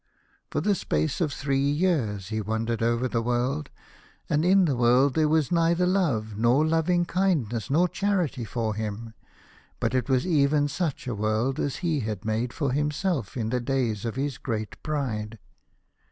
For the space of three years he wandered over the world, and in the world there was neither love nor loving kindness nor charity for him, but it was even such a world as he had made for himself in the days of his great pride.